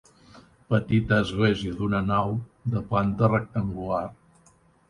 Petita església d'una nau, de planta rectangular.